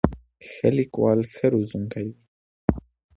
ښه لیکوال ښه روزونکی وي.